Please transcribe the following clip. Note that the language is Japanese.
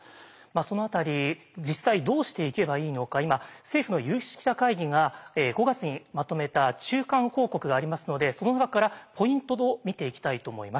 その辺り実際どうしていけばいいのか今政府の有識者会議が５月にまとめた中間報告がありますのでその中からポイントを見ていきたいと思います。